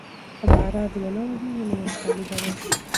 که باران ونه ورېږي نو وچکالي به راشي.